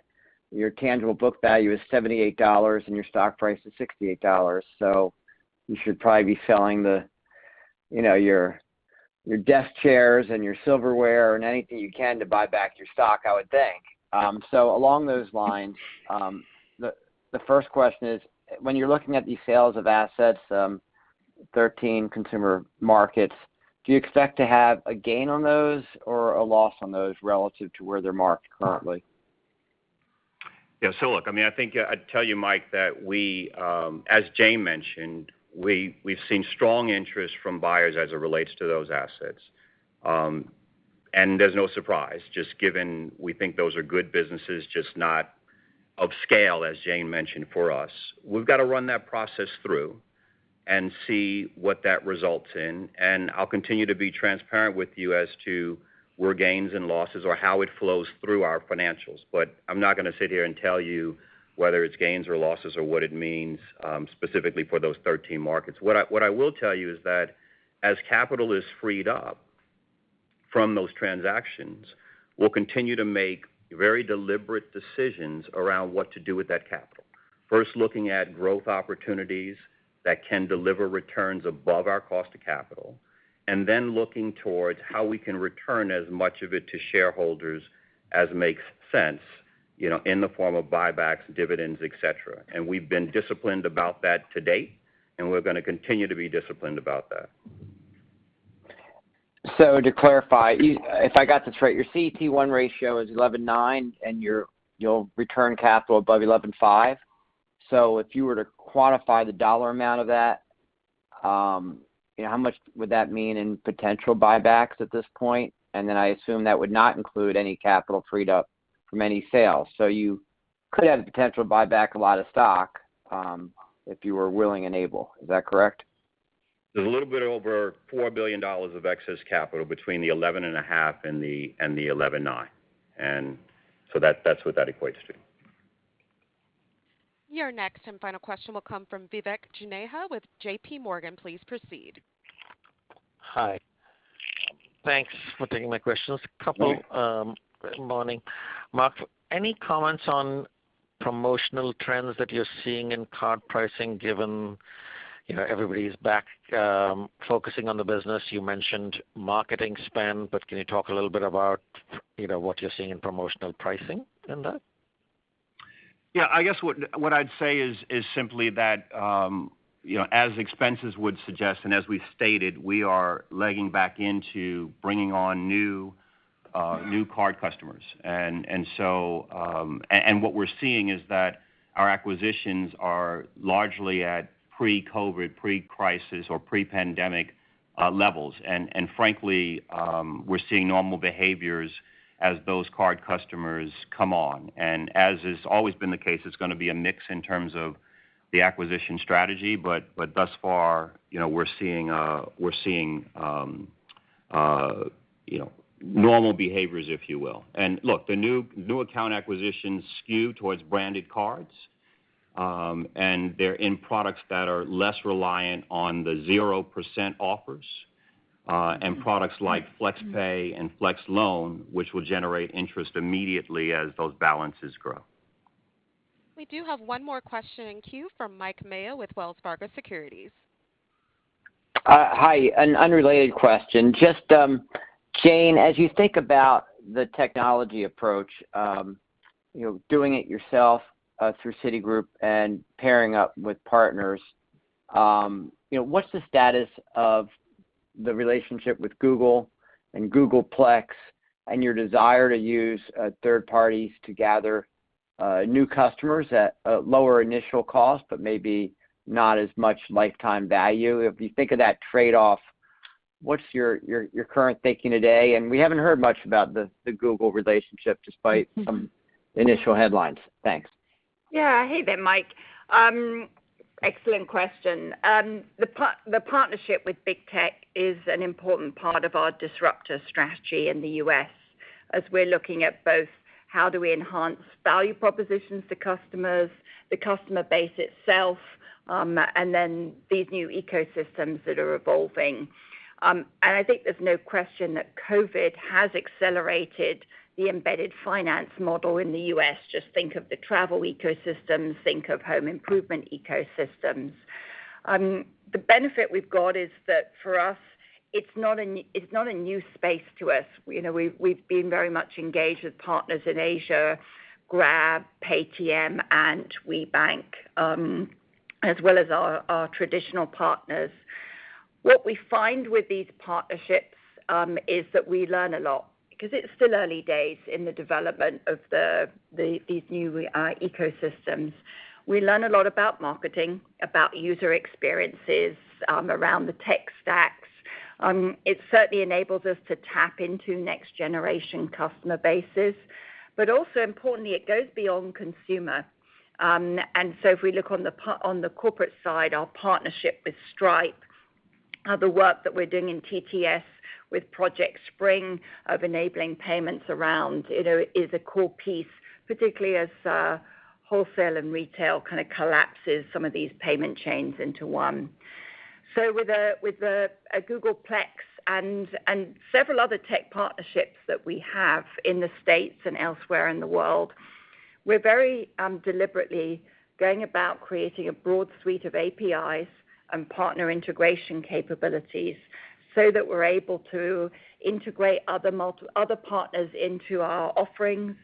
your tangible book value is $78 and your stock price is $68, so you should probably be selling your desk chairs and your silverware and anything you can to buy back your stock, I would think. Along those lines, the first question is, when you're looking at these sales of assets, 13 consumer markets, do you expect to have a gain on those or a loss on those relative to where they're marked currently? Yeah. Look, I think I'd tell you, Mike, that we as Jane mentioned, we've seen strong interest from buyers as it relates to those assets. There's no surprise, just given we think those are good businesses, just not of scale, as Jane mentioned, for us. We've got to run that process through and see what that results in, and I'll continue to be transparent with you as to where gains and losses are, how it flows through our financials. I'm not going to sit here and tell you whether it's gains or losses or what it means specifically for those 13 markets. What I will tell you is that as capital is freed up from those transactions, we'll continue to make very deliberate decisions around what to do with that capital. First looking at growth opportunities that can deliver returns above our cost of capital, and then looking towards how we can return as much of it to shareholders as makes sense in the form of buybacks, dividends, etc. We've been disciplined about that to date, and we're going to continue to be disciplined about that. To clarify, if I got this right, your CET1 ratio is 11.9%, and you'll return capital above 11.5%. If you were to quantify the dollar amount of that, how much would that mean in potential buybacks at this point? Then I assume that would not include any capital freed up from any sales. You could potentially buy back a lot of stock if you were willing and able. Is that correct? There's a little bit over $4 billion of excess capital between the 11.5% And the 11.9%. That's what that equates to. Your next and final question will come from Vivek Juneja with JPMorgan. Please proceed. Hi, thanks for taking my questions. Morning. Morning. Mark, any comments on promotional trends that you're seeing in card pricing given everybody's back focusing on the business? You mentioned marketing spend, can you talk a little bit about what you're seeing in promotional pricing in that? Yeah. I guess what I'd say is simply that, as expenses would suggest and as we've stated, we are legging back into bringing on new card customers. What we're seeing is that our acquisitions are largely at pre-COVID, pre-crisis, or pre-pandemic levels. Frankly, we're seeing normal behaviors as those card customers come on. As has always been the case, it's going to be a mix in terms of the acquisition strategy, but thus far, we're seeing normal behaviors, if you will. Look, the new account acquisitions skew towards Branded Cards, and they're in products that are less reliant on the 0% offers, and products like Flex Pay and Flex Loan, which will generate interest immediately as those balances grow. We do have one more question in queue from Mike Mayo with Wells Fargo Securities. Hi, an unrelated question. Jane, as you think about the technology approach, doing it yourself through Citigroup and pairing up with partners, what's the status of the relationship with Google and Google Plex and your desire to use third parties to gather new customers at a lower initial cost, but maybe not as much lifetime value? If you think of that trade-off, what's your current thinking today? We haven't heard much about the Google relationship despite some initial headlines. Thanks. Hey there, Mike. Excellent question. The partnership with big tech is an important part of our disruptor strategy in the U.S., as we're looking at both how do we enhance value propositions to customers, the customer base itself, and then these new ecosystems that are evolving. I think there's no question that COVID has accelerated the embedded finance model in the U.S. Just think of the travel ecosystems, think of home improvement ecosystems. The benefit we've got is that for us, it's not a new space to us. We've been very much engaged with partners in Asia, Grab, Paytm, Ant, WeBank, as well as our traditional partners. We find with these partnerships is that we learn a lot because it's still early days in the development of these new ecosystems. We learn a lot about marketing, about user experiences around the tech stacks. It certainly enables us to tap into next generation customer bases. Importantly, it goes beyond consumer. If we look on the corporate side, our partnership with Stripe, the work that we're doing in TTS with Project Spring of enabling payments around is a core piece, particularly as wholesale and retail kind of collapses some of these payment chains into one. With Google Plex and several other tech partnerships that we have in the U.S. and elsewhere in the world, we're very deliberately going about creating a broad suite of APIs and partner integration capabilities so that we're able to integrate other partners into our offerings,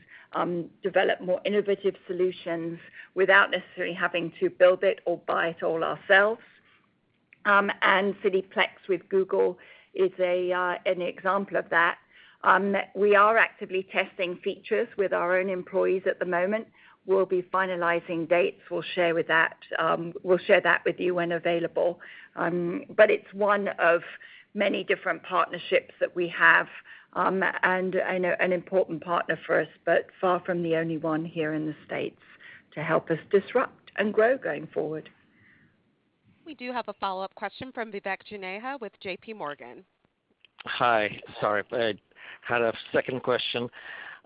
develop more innovative solutions without necessarily having to build it or buy it all ourselves. Citi Plex with Google is an example of that. We are actively testing features with our own employees at the moment. We'll be finalizing dates. We'll share that with you when available. It's one of many different partnerships that we have, and an important partner for us, but far from the only one here in the U.S. to help us disrupt and grow going forward. We do have a follow-up question from Vivek Juneja with JPMorgan. Hi. Sorry, I had a second question,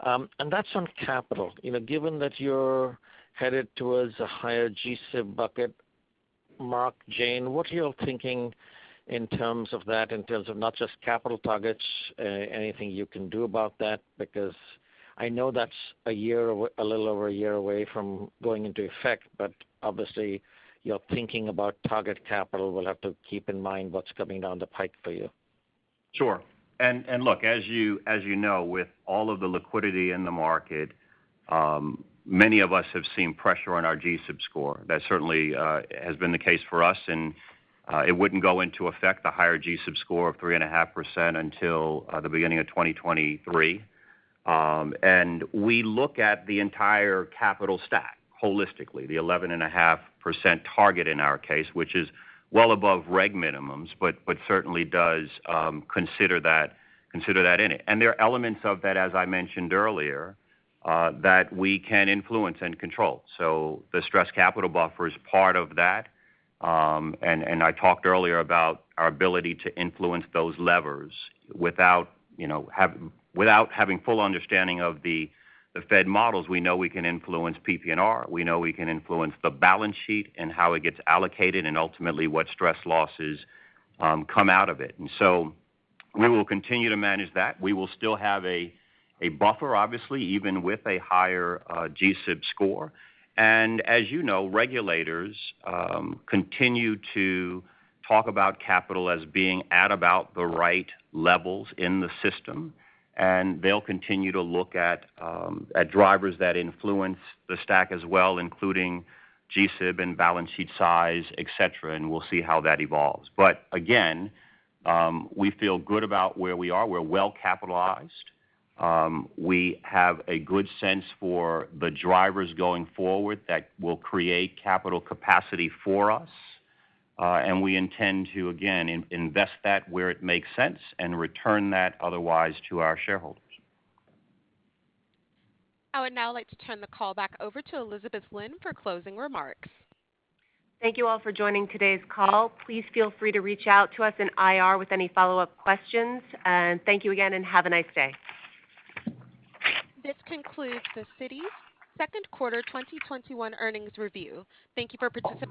and that's on capital. Given that you're headed towards a higher GSIB bucket, Mark, Jane, what are you thinking in terms of that, in terms of not just capital targets, anything you can do about that? I know that's a little over a year away from going into effect, but obviously, your thinking about target capital will have to keep in mind what's coming down the pipe for you. Sure. As you know, with all of the liquidity in the market, many of us have seen pressure on our GSIB score. That certainly has been the case for us, and it wouldn't go into effect, the higher GSIB score of 3.5% until the beginning of 2023. We look at the entire capital stack holistically, the 11.5% target in our case, which is well above reg minimums, but certainly does consider that in it. There are elements of that, as I mentioned earlier, that we can influence and control. The stress capital buffer is part of that. I talked earlier about our ability to influence those levers. Without having full understanding of the Fed models, we know we can influence PPNR. We know we can influence the balance sheet and how it gets allocated, and ultimately what stress losses come out of it. We will continue to manage that. We will still have a buffer, obviously, even with a higher GSIB score. As you know, regulators continue to talk about capital as being at about the right levels in the system, and they'll continue to look at drivers that influence the stack as well, including GSIB and balance sheet size, etc, and we'll see how that evolves. Again, we feel good about where we are. We're well capitalized. We have a good sense for the drivers going forward that will create capital capacity for us. We intend to, again, invest that where it makes sense and return that otherwise to our shareholders. I would now like to turn the call back over to Elizabeth Lynn for closing remarks. Thank you all for joining today's call. Please feel free to reach out to us in IR with any follow-up questions. Thank you again, and have a nice day. This concludes the Citi's second quarter 2021 earnings review. Thank you for participating.